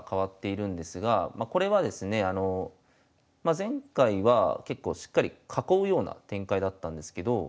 前回は結構しっかり囲うような展開だったんですけど。